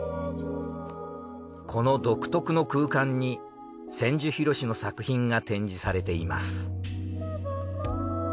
この独特の空間に千住博の作品が展示されています。